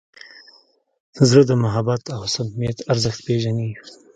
زړه د محبت او صمیمیت ارزښت پېژني.